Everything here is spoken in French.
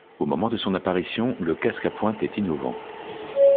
Au moment de son apparition, le casque à pointe est innovant.